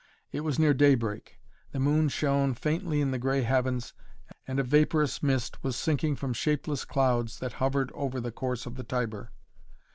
It was near daybreak. The moon shone faintly in the grey heavens and a vaporous mist was sinking from shapeless clouds that hovered over the course of the Tiber.